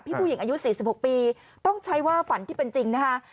ผู้หญิงอายุ๔๖ปีต้องใช้ว่าฝันที่เป็นจริงนะคะ